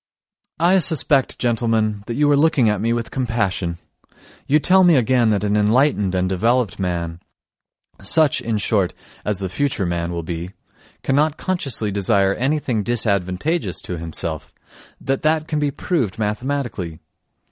I suspect, gentlemen, that you are looking at me with compassion; you tell me again that an enlightened and developed man, such, in short, as the future man will be, cannot consciously desire anything disadvantageous to himself, that that can be proved mathematically.